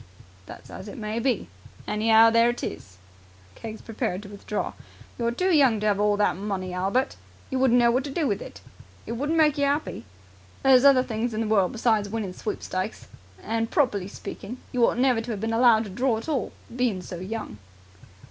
"That's as it may be. Anyhow, there it is." Keggs prepared to withdraw. "You're too young to 'ave all that money, Albert. You wouldn't know what to do with it. It wouldn't make you 'appy. There's other things in the world besides winning sweepstakes. And, properly speaking, you ought never to have been allowed to draw at all, being so young."